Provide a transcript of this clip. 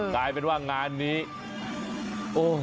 กลายเป็นว่างานนี้โอ้ย